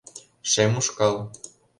Шем ушкал.